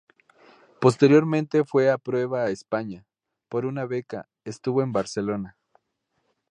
Posteriormente fue a prueba a España, por una beca, estuvo en el Barcelona.